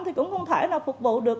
thì cũng không thể nào phục vụ được